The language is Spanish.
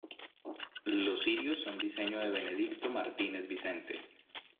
Los cirios son diseño de Benedicto Martínez Vicente.